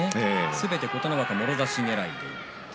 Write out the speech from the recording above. すべて琴ノ若もろ差しねらいです。